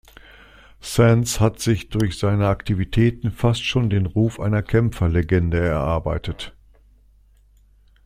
Sands hat sich durch seine Aktivitäten fast schon den Ruf einer Kämpfer-Legende erarbeitet.